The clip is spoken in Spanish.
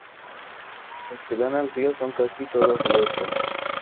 Las que dan al río son casi todas huecas.